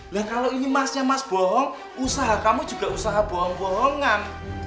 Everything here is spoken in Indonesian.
dan kalau ini masnya mas bohong usaha kamu juga usaha bohong bohongan